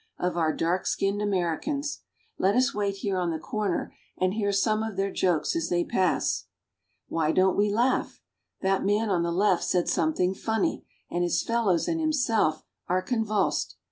of our dark= skinned Americans. Let us wait here on the corner and hear some of their jokes as they pass. Why don't we laugh ? That man on the left said some thing funny, and his fellows and himself are convulsed.